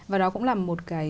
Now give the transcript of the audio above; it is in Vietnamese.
và đó cũng là một cái